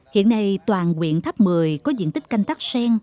hiện nay toàn quyện tháp một mươi có diện tích canh tắc sen